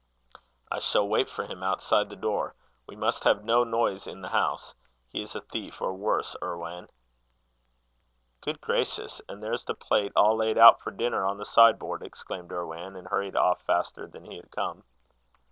"I shall wait for him outside the door. We must have no noise in the house. He is a thief, or worse, Irwan." "Good gracious! And there's the plate all laid out for dinner on the sideboard!" exclaimed Irwan, and hurried off faster than he had come.